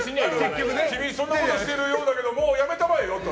君、そんなことしてるようだけどもうやめたまえよって。